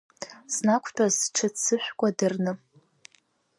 Санақәтәаз сҽы ццышә кәадырны…